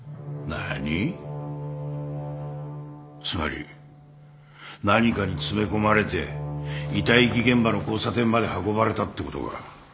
つまり何かに詰め込まれて遺体遺棄現場の交差点まで運ばれたってことか。